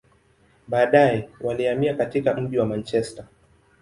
Baadaye, walihamia katika mji wa Manchester.